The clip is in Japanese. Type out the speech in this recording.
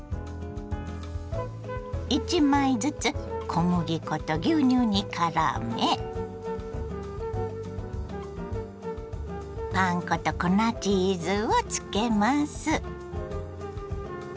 １枚ずつ小麦粉と牛乳にからめパン粉と粉チーズをつけます。